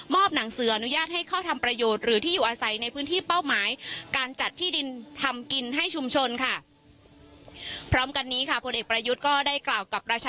หนังสืออนุญาตให้เข้าทำประโยชน์หรือที่อยู่อาศัยในพื้นที่เป้าหมายการจัดที่ดินทำกินให้ชุมชนค่ะ